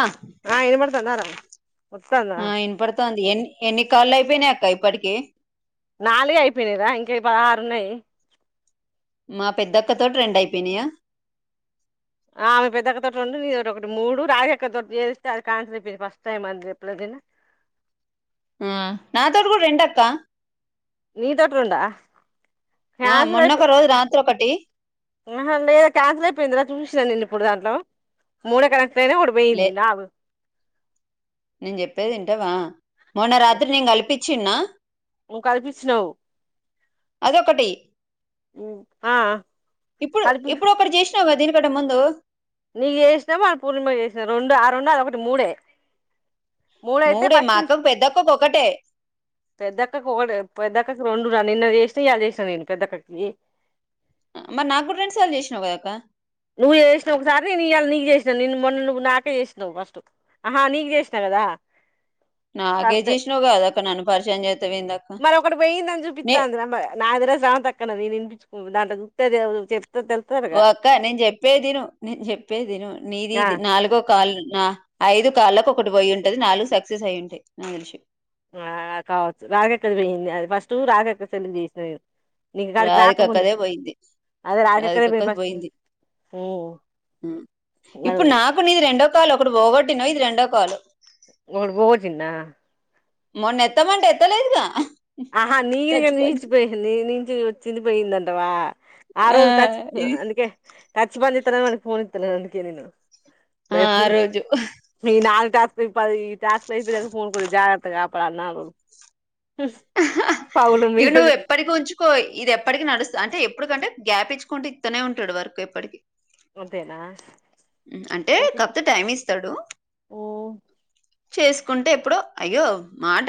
ఆ ఆ వినబడుతుందా రా ఆ వినబడుతోంది ఎన్ని ఎన్ని కాళ్ళు అయిపోయినాయి అక్క యి పడి కే నాలుగు అయిపోయినా ర ఇంకా యి పదహారు ఉన్నాయి మా పెద్దక్కతో టి రెండు అయిపోయినీయా ఆ ఆమె పెద్దక్క తోటి రెండు నీది ఒకటి మూడు రాగిక్క తోట చేస్తే అది క్యాన్సిల్ చెప్పింది ఫస్ట్ టైం అది అదేనా మ నాతో టీ కూడా రెండు అక్క నీ తొటీ రెండా ఆ క్యాన్సిల్ మొన్న ఒక రోజు అయిపోయి రాత్రి ఒకటి ఆ హ లేదా క్యాన్సిల్ అయిపోయిందిరా చూసినాను నేను ఇప్పుడు దాంట్లో మూడే కదా తనే వాడు లే పోయింది లాభ నేను చెప్పేది విన్టావా మొన్న రాత్రి నేను కలిపి చిన్న ను కల్పించినవ్ అదొకటి ఆ ఇప్పుడు కలిపి ఇప్పుడు ఒకటి చేసినావు కదా దీన్ని ఇక్కడ ముందు నీకు చేసినామో అ పూర్ణిమ కి చేసినా రెండు ఆ రెండు అది ఒకటి మూడే మూడయితే మూడే మా ఫస్ట్ అక్కకు పెద్దక్కకు ఒకటే పెద్దక్క ఒకటే పెద్ద పక్కకి రెండు రా నిన్న చేసి ఇయ్యాల చేసి చేసిన నేను పెద్దక్కకి మరి నాకు కూడా రెండు సార్లు చేసినావు కదక్కా నువ్వు చేసినవ ఒకసారి నేను ఇవాళ నీకు చేసినా నిన్న మొన్న నువ్వు నాకే చేసినావు ఫస్ట్ ఆహా నీకు చేసిన కదా నాకే చేసినావు గదా నన్ను పరిచయం చే మది ఒకటి పోయిందని చూపిస్తోంది నాది రా చానా తక్కువ నాది నేను వినిపించుకో దాంట్లో చూస్తే తే ఒక్క నేను చెప్పేదిను నేను చెప్పేదిను ఆ నీదిది నాలుగో కాళ్ నా ఐదు కాళ్ళకు ఒకటి పోయి ఉంటుది నాలుగు సక్సెస్ అయి ఉంటాయి నాకు తెలిసి ఆ కావచ్చు రాగెక్క పోయింది అది ఫస్ట్ రాగెక్క సెల్ కు చేసిన నేను నీకు కాడికి రాకముందు రాదికక్కదే పోయింది అదే రాగక్కదే పోయి రాధకక్కది ఫస్ట్ అది పోయింది ఇప్పుడు నాకు నీది రెండో కాలు అ ఒకడు పోగొట్టినో ఇది రెండో కాలు ఒకటి పోగొట్టిన్న మొన్న ఎత్తమంటే ఎత్తలేదుగా ఆహా నీది ఖచ్చిపచ్చి నీలీచీ పోయి నీ వ వచ్చింది పోయిందంటావా ఆ రోజు కాచి ఇది అందుకే కచ్చి బాంది ఇతా మనకి ఫోన్ ఇత్తలే అందుకే నేను ఆ ఆ రోజు చేస్త పది టాస్క్ లు అయిపోయినాయి ఫోన్ జాగ్రత్తగా అప్పుడన్నా హ ఇవి నువ్వు ఎప్పటికి ఉంచుకో ఇది ఎప్పటికి నడుస్త అంటే ఎప్పుడుకంటే గ్యాప్ ఇచ్చుకుంటూ ఇత్తనే ఉంటాడు వర్క్ ఎప్పటికీ అంతేనా అంటే కాస్త టైం ఇస్తాడు చేసుకుంటే ఎప్పుడో అయ్యో మాట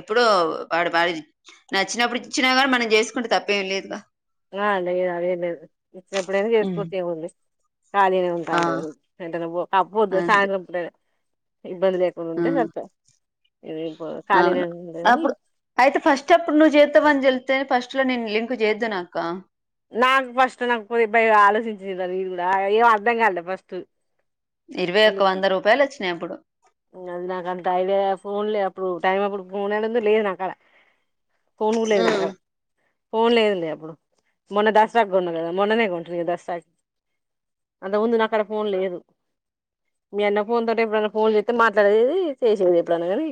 ఎప్పుడో వాడు వాడి నచ్చినప్పుడు ఇచ్చినా కానీ మనం చేసుకుంటే తప్పేం లేదుగా ఆ లేదు అదేం లేదు ఇచ్చినప్పుడైనా ఉమ్ చేస్కోచ్చు అవుతాది. ఖాళీనే ఉంటా ఆ అంటివి కదా పెంట నువ్వు కాకపోద్దు అంతే సాయంత్రం పూటనే ఇబ్బంది లేకుండా ఉంటే ఆ సరిపయ్ ఇది ఖాళీనే అవును ఉ [unintelligible] కానీ అప్పుడు తే ఫస్ట్ లో నేను లింక్ చేద్దునా అక్క నాకు ఫస్ట్ నాకు కొద్ది ఆలోచించినా నేను కూడా ఏం అర్ధం కాలా ఫస్టు ఇరవై ఒక్క వంద రూపాయలు వచ్ నెప్పుడు నా నాకంత ఐడియా ఫోన్లే అప్పుడు టైం అప్పుడు ఫోన్ యడుంది లేదు నాకాడ ఫోన్ కూడా లేద్ ఉమ్ నాకాడ ఫోన్ లేదండి అప్పుడు మొన్న దసరాకు కొన్నా కదా మొన్ననే కొంటిని దసరాకి అంత ముందు నాకాడ ఫోన్ లేదు మీ అన్న ఫోన్ తో ఎప్పుడన్న ఫోన్ చేత్ తాను మాట్లాడేది చేసేది ఎప్పుడన్నా కానీ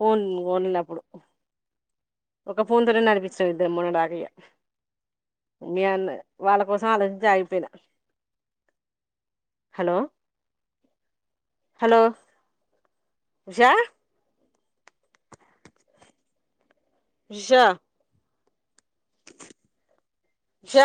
ఫోన్ కొన్ల, అప్పుడు ఒక ఫోన్తో నడిపించినం ఇద్దరం మొన్న డాకయ్య మీ అన్న వాళ్ళ కోసం ఆలోచించి ఆగిపోయినా. Hello hello Usha Usha Shah